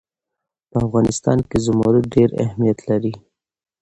په افغانستان کې زمرد ډېر اهمیت لري.